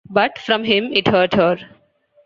But from him it hurt her.